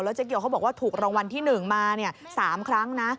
เจ๊เกียวเขาบอกว่าถูกรางวัลที่๑มา๓ครั้งนะ